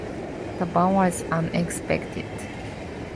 The ban was unexpected.